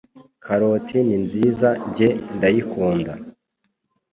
Karoti ninziza njye ndayikunda